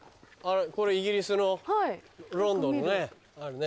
これイギリスのロンドンのね。